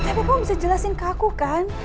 tapi kok bisa jelasin ke aku kan